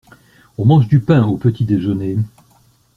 On mange du pain au petit-déjeuner.